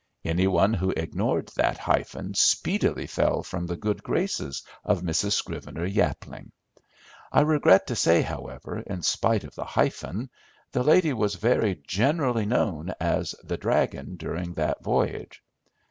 Any one who ignored that hyphen speedily fell from the good graces of Mrs. Scrivener Yapling. I regret to say, however, in spite of the hyphen, the lady was very generally known as the "dragon" during that voyage.